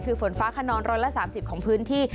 คือฝนฟ้าคนนร้อยละ๓๐ของพื้นที่